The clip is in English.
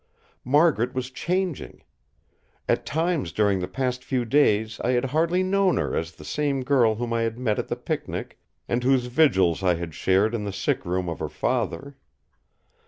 Margaret was changing! At times during the past few days I had hardly known her as the same girl whom I had met at the picnic, and whose vigils I had shared in the sick room of her father.